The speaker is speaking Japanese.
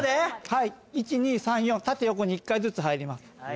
はい１２３４縦横に１回ずつ入ります。